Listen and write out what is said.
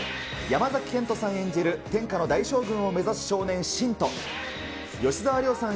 山崎賢人さん演じる、天下の大将軍を目指す少年、信と、吉沢亮さん